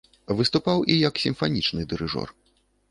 Выступаў і як сімфанічны дырыжор.